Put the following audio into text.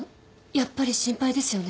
やっぱり心配ですよね？